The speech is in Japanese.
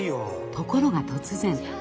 ところが突然。